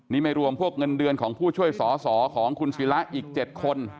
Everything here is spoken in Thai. นี่ไม่รวมพวกเงินเดือนของผู้ช่วยสอสอของคุณศิละอีก๗คน